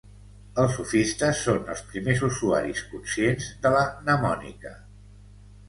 Els sofistes són els primers usuaris conscients de la mnemònica.